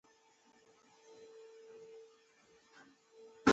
بخار ماشین په دې انقلاب کې مهم رول ولوباوه.